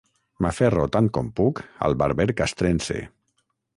M'aferro tant com puc al barber castrense.